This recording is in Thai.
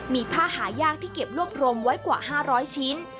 มีผ้าหายากที่เก็บรวบรวมไว้กว่า๕๐๐ชิ้น